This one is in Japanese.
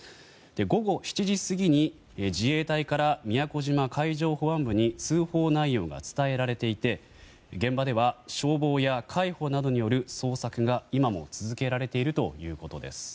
午後７時過ぎに自衛隊から宮古島海上保安部に通報内容が伝えられていて現場では消防や海保などによる捜索が今も続けられているということです。